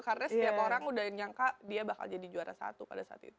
karena setiap orang sudah menyangka dia bakal jadi juara satu pada saat itu